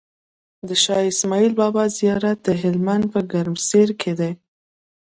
د شاهاسماعيل بابا زيارت دهلمند په ګرمسير کی دی